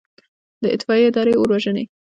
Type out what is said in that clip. د اطفائیې اداره اور وژني